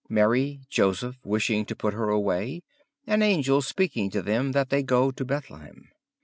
Mary, Joseph wishing to put her away; an angel speaking to them that they go to Bethlehem.